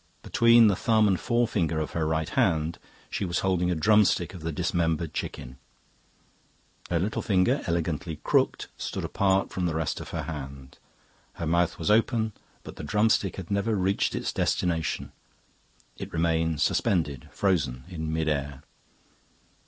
Between the thumb and forefinger of her right hand she was holding a drumstick of the dismembered chicken; her little finger, elegantly crooked, stood apart from the rest of her hand. Her mouth was open, but the drumstick had never reached its destination; it remained, suspended, frozen, in mid air.